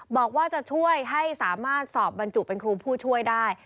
บอกว่าจะช่วยให้สามารถสอบบรรจุเป็นครูผู้ช่วยได้